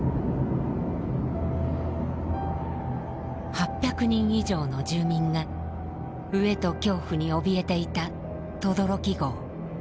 ８００人以上の住民が飢えと恐怖におびえていた轟壕。